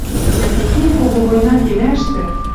Дӓ техень кого война кемӓштӹ